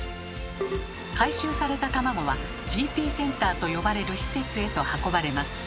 回収された卵は「ＧＰセンター」と呼ばれる施設へと運ばれます。